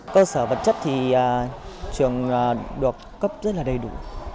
cơ sở vật chất thì trường được cấp rất là đầy đủ